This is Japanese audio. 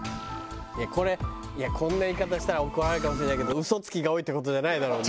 これこんな言い方したら怒られるかもしれないけど嘘つきが多いって事じゃないだろうね？